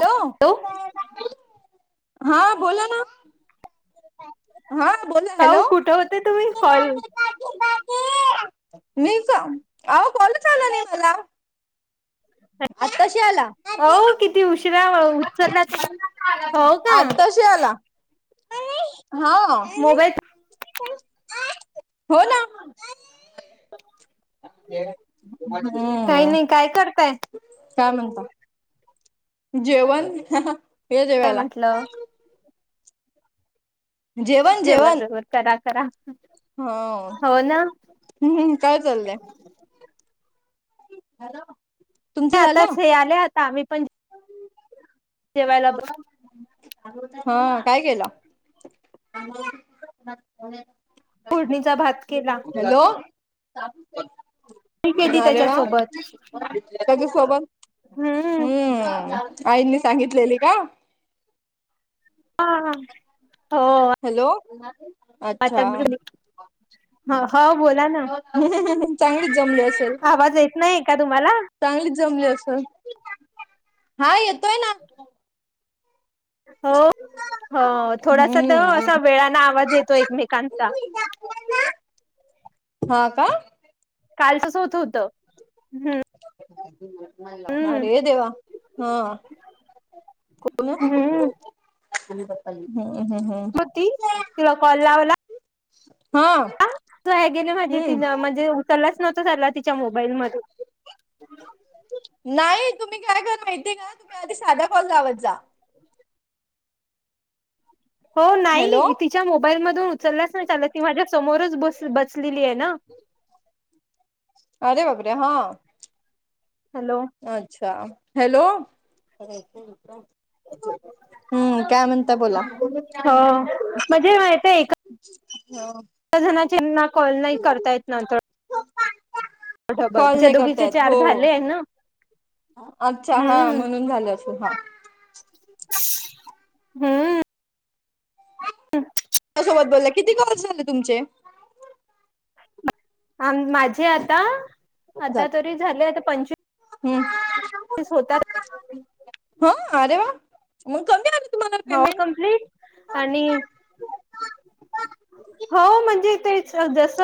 Hello हा बोला ना हा बोला काऊ हॅलो कुठं होते तुम्ही कॉल मीच अ अहो काॅल च आलं नाही मला. आता शी आला हो किती उशिरा उचलला तुम्ही हो का आता शी आला हा मोबाईल हो ना. हु काही नाही करताय काय म्हणता. जेवण ये काय जेवायला म्हंटल जेवन हं करा करा हा हो ना हुमहुम काय चाललंय. हॅलो आताच हे आले आता आम्ही पण जेवायला हा काय केला. अ [unintelligible] फोडणीचा भात केला. मी केली झाले त्याच्यासोबत कड़ी सोबत हम्म हुम्म आईनी सांगितलेली का? हा हो हॅलो आता अच्छा घरी - हं चांगलेच जमले. आवाज येत नाही का तुम्हाला. चांगलीच जमली अस हा येत होा हो थोडासा तर हम्म असा वेळने आवाज येतो एकमेकांचा हा का कालचच होत होत. ह. अरे देवा हा को हम्म हम् हम्म हम्म होती तिला कॉल लावला हा. े ति हम्म म्हणजे उचललाच नवत चला ति मोबाईल म नाही तुम्ही काय कर माहितीय का तुम्ही आधी साधा पाऊल लावत जा. हो हॅलो नाही तिच्या मोबाईल मधून उचलल्यास ना चालत ती माझ्या समोरचस बसलेली आहे ना. ह. अरे वाबरे हा हॅलो अच्छा हॅलो हम्म काय म्हणता बोला हो म्हणजे माह ह जना कॉल नाही करता येत ना थोड कॉल डबलच्या नाही दोघीचे करतायत चार हो झाले आहे ना अच्छा हा हम्म म्हणून झालं अस हा हम्म सोबत बोलला किती कॉल झाले तुमचे आ माझे आता आता तरी झाले आता पंचवी हम् हा अरे वा मग कमी तुम्हाला हो पेमेंट कमप्लीट आणि हो म्हणजे तेच जस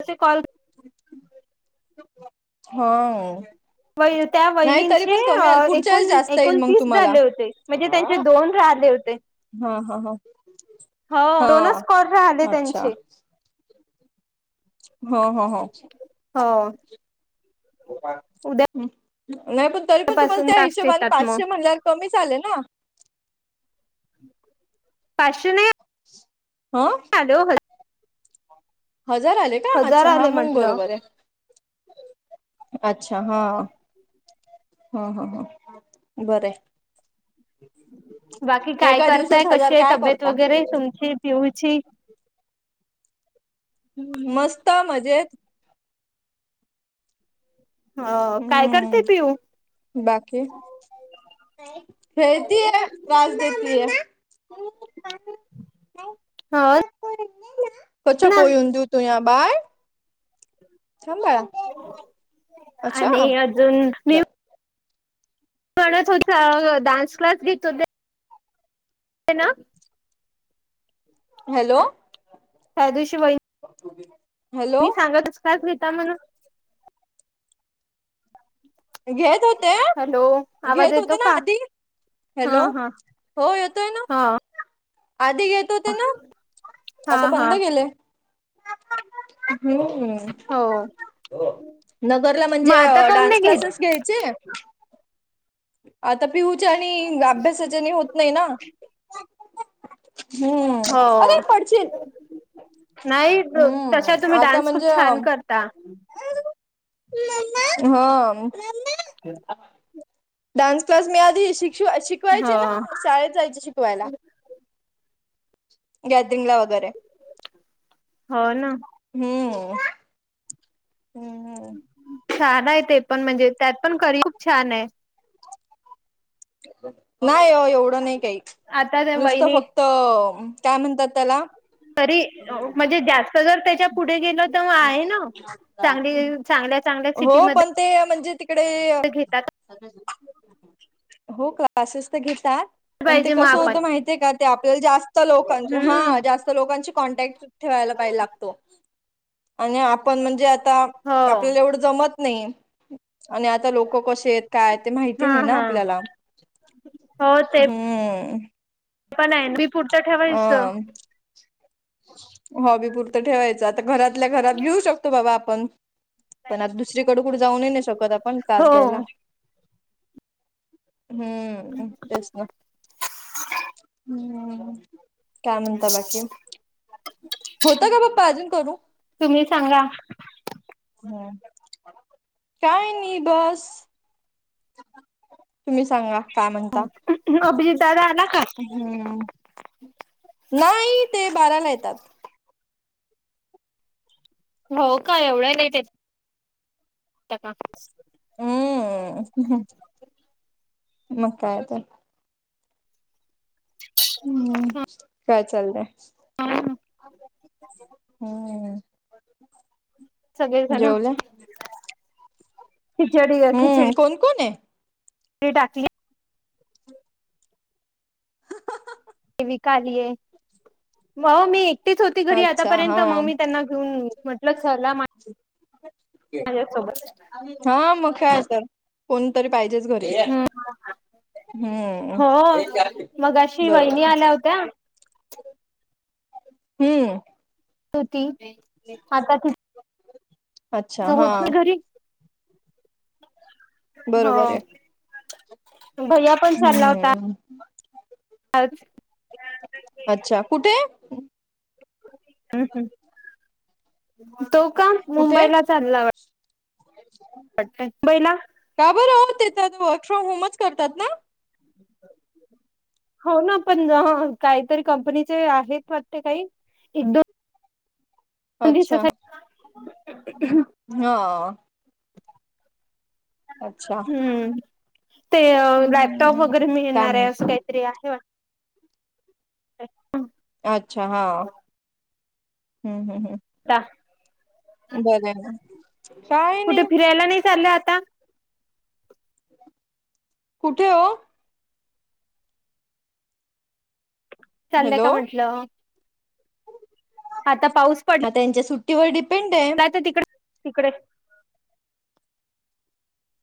तसे कॉल हा. त्या नाही तरी पण कमी आल वहिणींचेण पुढच्या वेळेस जास्त येईल मग एकोणतीस तुम्हाला झाले होते म्हणजे त्यांचे दोन राहिले होते. हा हा हा ह दोन हा स् कॉर राहिले अच्छा त्यांचे हो ह हो्. हो नाही पण तरी पण तुम्हाला उद्यापासून त्या टास्क हिशेबाने येतात मग पाचशे म्हणल्यावर कमी चालेल ना. पशु नाही. [unintelligible] हॅलो. हजार आले का हजार अच्छा हा आले मंग म्हटलं. बरोबर आहे. अच्छा हा हा हा ह बर. बाकी काय दिवसात करताय हजार कशी आहे काय तब्येत करता वगैरे तुमची पिऊ [unintelligible] मस्त मजेत. हो काय करते पिऊ हम्म बाकी खेळती ह कास देती ह. हो अछा ना कोय हद तू या. बार सभळा. आणि अजून मी म्हणत होता डान्स क्लास घेत होते. आहे ना. हॅलो. ह दुष ब प तु मी सांगतच असता घेता म्हणून का करेता घेत होते हॅलो आवाज घेत येतो होते ना का आधी हा हॅलो हा हो येतोय ना. हा आधी येत होते ना हा आता हा बंद केले. हम्म हो नगरला मग म्हणजे आता काऊन नाही डान्स घेत क्लासेस घ्यायचे. आता पिहूच्या आणि अभ्यासाच्या नीं होत नाय ना. हम्म हो. अरे पडशील नाही त हम्म तशा तुम्ही आता डान्स खूप म्हणजे छान करता. हा डान्स क्लास मी आधी शिक हो शिकवायचे ना शाळेत जायचे शिकवायला. गॅदरिंगला वगैरे हो ना. हम्म. हम्म हम्. छान आहे ते पण म्हणजे त्यात पण करी खूप छान आहे. नाही एवढं नाही काही आता त्या नुसतं वहिनी फक्त काय म्हणतात त्याला तरी म्हणजे जास्त जर त्याच्या पुढे गेले तर मग आहे ना सांगली सांगले. हो पण ते म्हणजे तिकडे. घेतात हो क्लासेस त घेतात. पण ते पाहिजे मग कसं होत आपण माहितीय का ते आपल्याला जास्त लोकांचे हा हम्म जास्त लोकांचे कॉन्टॅक्ट ठेवायला पाय लागतो. आणि आपण म्हणजे आता हो आपल्याला एवढं जमत नाही आणि आता लोक कसे येत काय ते माहिती हा नाय ना हा आपल्याला हो हम्म. ते पण आहे ते पुढच्या अ ठेवायचं. हॉबी पुरतं ठेवायचं. आता घरातल्या घरात घेऊ शकतो बाबा आपण पण आता दुसरीकड कुठ जाऊन नाय ना शकत आपण तास हो घ्यायला. हम्म तेच ना हम्म काय म्हणता बाकी होत का पप्पा अजून करू तुम्ही सांगा काय नई बस तुम्ही सांगा काय म्हणता [unintelligible] का हम्म नाही ते बाराला येतात. हो का एवढया लेट यता का? हम्म मग काय तर हम्म काय चाललंय? हा हम्म सगळेजण जेवल्या हम्म कोण कोण ये. ते टाकली ते विकलीय म मी एकटीच होती घरी अच्छा आतापर्यंत हा मंग मी त्यांना घेऊन म्हटलं चला माझ्यासोबत. हा मग काय तर कोणतर पाहिजेच घरी हम्म हम्म हो मगाशी वहिनी बरोबर ये. आल्या होत्या हूं तो ती आता अच्छा हा बरोबर होा. आहे भैया पण चालला होता. हम्म आज. अच्छा कुठे? हम्म् तो का कुठे मुंबईला चालला वाट. का बरं होते तर वर्क फ्रॉम होमच करतात ना. [inaudible] हो ना पण काहीतरी कंपनीचे आहेत वाटते काही एक दोन ह अच्छा हम्म ते लॅपटॉप हम्म वगैरे मी काम घेणारये असं काहीतरी आहे वा [unintelligible] अच्छा हा हूं हूं हूं आहे ना काय कुठे नाही फिरायला नाही चाललं आता कुठे ओ? चाललंय हॅलो का म्हंटलं आता पाऊस पड हा त्यांच्या सुट्टीवर डिपेंड आहे काय तर तिकड तिकडे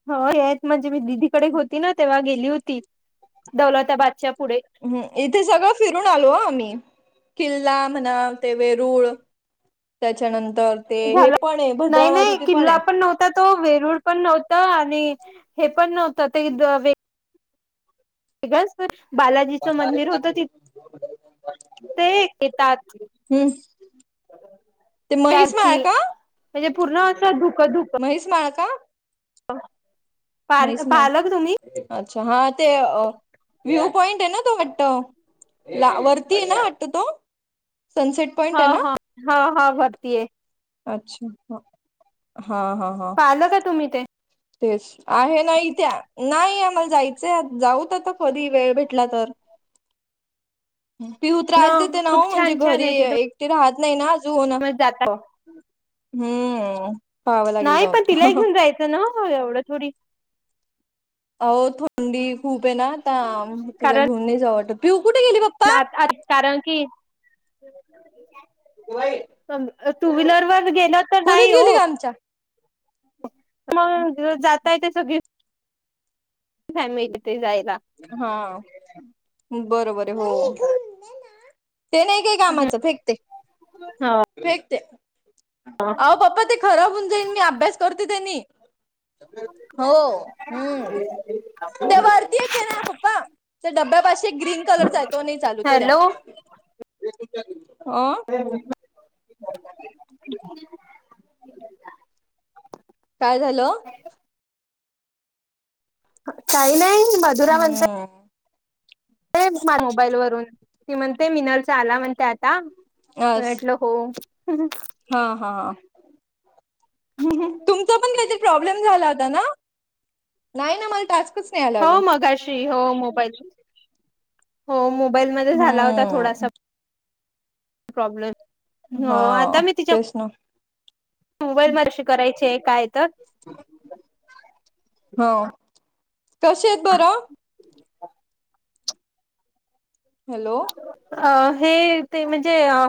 हो हेच म्हणजे मी दिदीकडे होती ना तेव्हा गेली होती दौलताबादच्या पुढे हम्म इथे सगळं फिरून आलो ओ आम्ही किल्ला म्हणा ते वरूळ त्याच्यानंतर तर ते हे झालं पण आहे नाही भद्रा नाही मारुती पण किल्ला आहे. नव्हता तो वेरूळ पण नव्हता आणि हे पण नव्हतं ते हेठी काच तर. बालाजीचं मंदिर होत तिथ ते येतात. हम्म ते महिष माळा त्यातनी का. म्हणजे पूर्ण असुः महेष माळ का पाल म्हैस माळ पाहिल का तुम्ही अच्छा हा ते व्ह्यू पॉइंट आहे ना तो वाटत ला वरती आहे ना वाटत तो सनसेट पॉइंट हा आहे ना हा हा हा भरतीय अच्छा हा हा हा पालक का तुम्ही ते तेच आहे ना त्या नाही आम्हाला जायचंय जाऊत आता कधी वेळ भेटला तर पिऊू त्रास देते ना हो खूप म्हणजे छान छान घरी आहे तिथं एकटे राहत नाही ना अजू ना जात हम्म पाहावं लागेल जाऊन हो एवढं थोडी अ थंडी खूप आहे ना तर तिला घेऊन नाही जा आवटत ना कारण की टू व्हीलर वर गेलं तर खोलीत नाही हो गेली का आमच्या मग जाताय ते सगळी फॅमिली ते जाय हा बरोबर आहे हो ते नाही काय कामाच फेकते फेकते अह पप्पा ते खराब होऊन जाईन मी अभ्यास करते त्यांनी हो हम्म त्या वरती पप् डबब्या पा ग्रीन कलर चा य तो चालूतो द्या हॅलो त तयार हायत ना काय झालं काही नाही हम्म दे दूषण मोबाईल वरून ' ' ती म्हणते मिनलचा आला म्हणते आता अस अलर्ट हो.. हह हम्म तुम पण काहीत प्रॉब्लेम झाला होता ना '' नाही मला टास् अहो मगाशी हो मोबाईलच हो मो बाईलमध्ये झाला होता थोडासा हम्म प्रा. प्रॉब्लेम अ.. हा आता मी तिच्या.. तेच ना मोबाईल बार्शी करायचे काय तर हो, कशे आहेत बरं? हॅलो! अ हे ते म्हणजे अ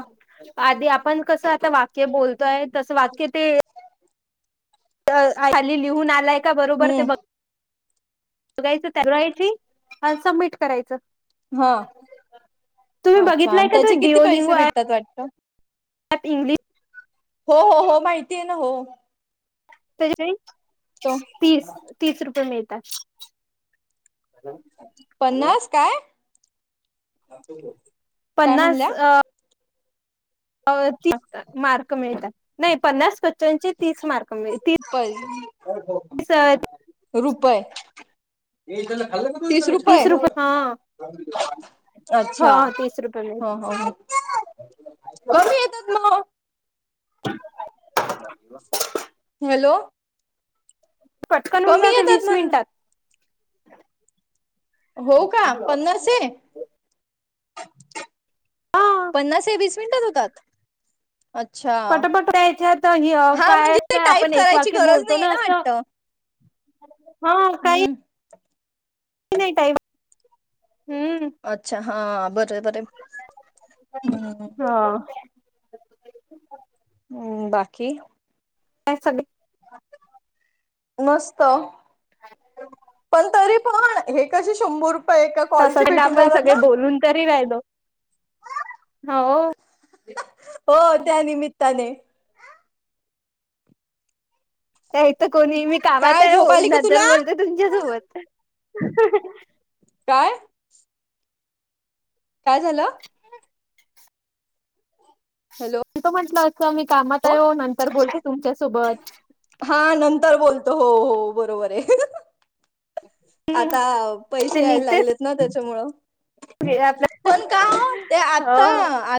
आधी आपण कसं आता वाक्य बोल काय तसं वाक्य ते त.. खाली लिहून आलाय का बरोबर ते हम्म बघ बघायच थरवयाची आणि सबमिट करायचं ह ' तुम्ही ' छान बघितलाय अन् का त्याचे किती पैसे भेटतात वाटत आपी इंग्लि हो हो हो माहिती आहे नव.. ताईताई तीस तीस रुपये मिळतात ' ' पन्नास काय ' ' पन्नास अ ' ' अ तीस मार्क मिळतात नाही.. पन्नास क्वेश्चनचे तीस मार्क मिळीतीत मार खाऊन ' ' रुपे ' ' तीनजन खल ना. वीस रुपये'. तीस हा ' रात्री दे हँ अच्छा ह तीस ' रुपये मिळ ' ह ह ' 'कमी येतात न.. टआ.. ' '.. हॅलो पटकन होऊन कमी जाते येतात वीस म्हण मिनिटात. हो का? पन्नास ए हा पन्नास आहे वीस मिनिटात होतात? अच्छा पटपट याच्यात य हा काय म्हणजे ते असतं, आपण टाईप एक करायची वाक्य गरज बोलतो नाहीये ना असं, वाटतं [unintelligible] हम्म काही नाही ताई. अच्छा हा, बरंय बरंय. हा [unintelligible] हम्म, बाकी? काय चालंय? मस्तं. [unintelligible] पण तरी पण, हे कशे शंभर रुपये एका कॉलचे त्यासाठी ना भेटून आपण जातात सगळे ना बोलून तरी राहिलो. हा ओ हो, त्या निमित्ताने ह्या हित कोणी, मी कामात काय आहे झोप ओ आली का नंतर तुला बोलते तुमच्यासोबत. काय? काय झालं? हॅलो मी तर म्हटलं होतं, मी कामात आहे हो नंतर बोलते तुमच्यासोबत. हा नंतर हो बोलतो हो बरोबर आहे. आता अ पैसे ते यायला लागलेत निघतेच ना त्याच्यामुळं. पण का ते [unintelligible] हो आता